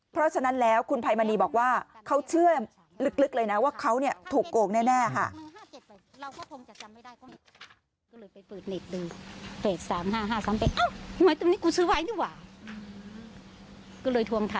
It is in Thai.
เพราะฉะนั้นแล้วคุณภัยมณีบอกว่าเขาเชื่อลึกเลยนะว่าเขาถูกโกงแน่ค่ะ